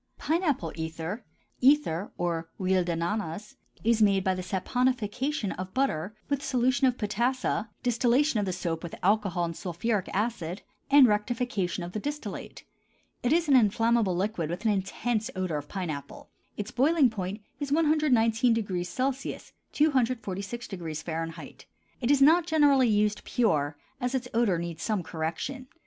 PINE APPLE ETHER (ether or huile d'ananas) is made by the saponification of butter with solution of potassa, distillation of the soap with alcohol and sulphuric acid, and rectification of the distillate. It is an inflammable liquid with an intense odor of pine apple; its boiling point is 119° C. (246° F.). It is not generally used pure, as its odor needs some correction.